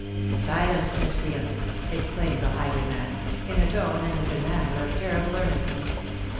"Silence, miscreant!" exclaimed the highwayman, in a tone and with a manner of terrible earnestness.